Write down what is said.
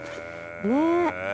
ねえ。